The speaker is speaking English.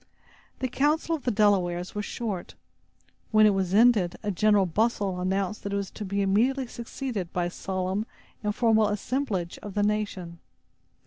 The council of the Delawares was short. When it was ended, a general bustle announced that it was to be immediately succeeded by a solemn and formal assemblage of the nation.